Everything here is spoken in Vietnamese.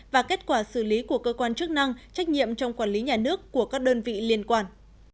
và kết quả xử lý của cơ quan chức năng trách nhiệm trong quản lý nhà nước của các đơn vị liên quan